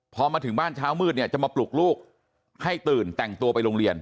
พอมาถึงบ้านเช้ามืดเนี่ยจะมาปลุกลูกให้ตื่นแต่งตัวไปโรงเรียน